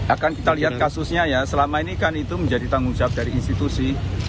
akan kita lihat kasusnya ya selama ini kan itu menjadi tanggung jawab dari institusi